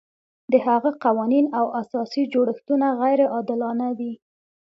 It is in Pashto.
د هغه قوانین او اساسي جوړښتونه غیر عادلانه دي.